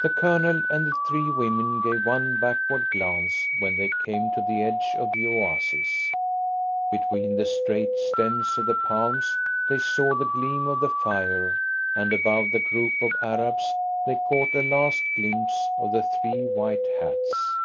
The Colonel and the three women gave one backward glance when they came to the edge of the oasis. Between the straight stems of the palms they saw the gleam of the fire, and above the group of Arabs they caught a last glimpse of the three white hats.